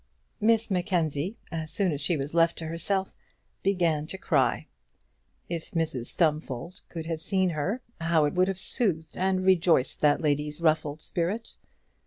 Miss Mackenzie, as soon as she was left to herself, began to cry. If Mrs Stumfold could have seen her, how it would have soothed and rejoiced that lady's ruffled spirit!